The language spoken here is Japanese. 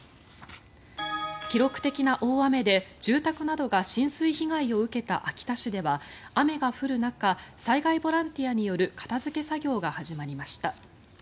記録的な大雨で住宅などが浸水被害を受けた秋田市では雨が降る中災害ボランティアによる片付け作業が始まりました。